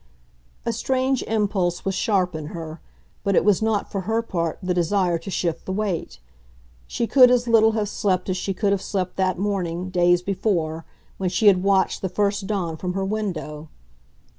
A strange impulse was sharp in her, but it was not, for her part, the desire to shift the weight. She could as little have slept as she could have slept that morning, days before, when she had watched the first dawn from her window.